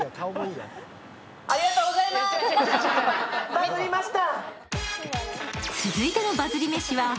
バズりました。